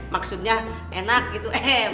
maksudnya enak gitu